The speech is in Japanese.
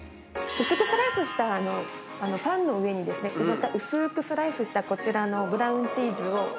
薄くスライスしたパンの上にですね薄くスライスしたこちらのブラウンチーズを。